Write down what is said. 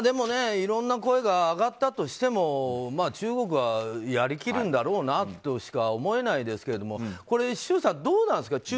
いろんな声が上がったとしても中国はやりきるんだろうなとしか思えないですけど周さん、どうなんですか？